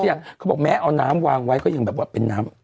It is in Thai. อย่างเขาบอกแม้เอาน้ำวางไว้ก็ยังแบบว่าเป็นน้ำ